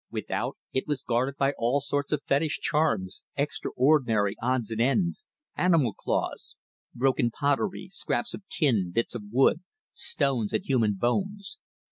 Without, it was guarded by all sorts of fetish charms, extraordinary odds and ends, animals' claws, broken pottery, scraps of tin, bits of wood, stones and human bones.